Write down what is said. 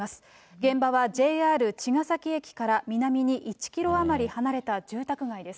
現場はＪＲ茅ヶ崎駅から南に１キロ余り離れた住宅街です。